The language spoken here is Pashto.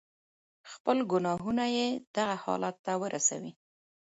خپل گناهونه ئې دغه حالت ته ورسوي.